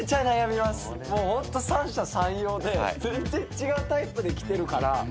ホント三者三様で全然違うタイプできてるから。